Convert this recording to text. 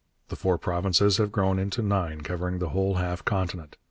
The four provinces have grown into nine, covering the whole half continent.